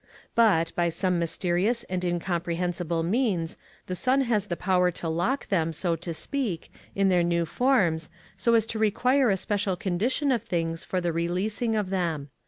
But, by some mysterious and incomprehensible means, the sun has power to lock them, so to speak, in their new forms, so as to require a special condition of things for the releasing of them.